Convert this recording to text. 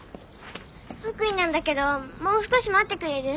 白衣なんだけどもう少し待ってくれる？